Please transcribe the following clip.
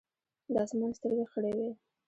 د اسمان سترګې خړې وې ـ